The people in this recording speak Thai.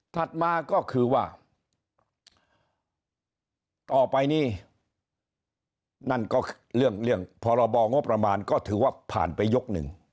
ถัดมาก็คือว่าต่อไปนี้นั่นก็เรื่องพรบงบประมาณก็ถือว่าผ่านไปยกหนึ่ง